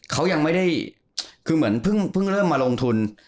เขายังไม่ได้คือเหมือนเพิ่งเริ่มมาลงทุน